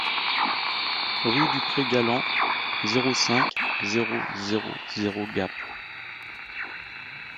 Rue du Pré Galland, zéro cinq, zéro zéro zéro Gap